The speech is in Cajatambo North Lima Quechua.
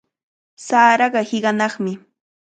Saraqa hiqanaqmi.